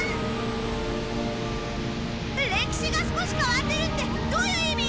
歴史が少しかわってるってどういう意味！？